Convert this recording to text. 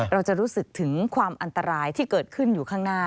เราจะรู้สึกถึงความอันตรายที่เกิดขึ้นอยู่ข้างหน้า